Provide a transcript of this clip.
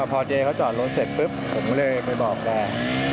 พอเจ๊เขาจอดรถเสร็จปุ๊บผมก็เลยไปบอกแก